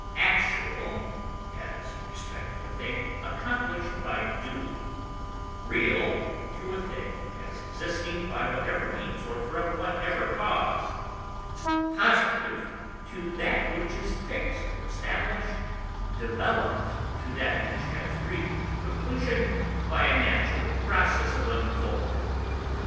Actual has respect to a thing accomplished by doing, real to a thing as existing by whatever means or from whatever cause, positive to that which is fixed or established, developed to that which has reached completion by a natural process of unfolding.